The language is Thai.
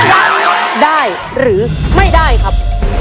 ได้หรือไม่ได้ครับ